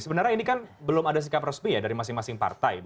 sebenarnya ini kan belum ada sikap resmi ya dari masing masing partai